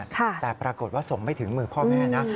แต่ปรากฏว่าส่งไม่ถึงมือพ่อแม่นะ